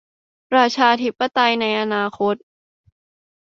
ประชาธิปไตยในอนาคต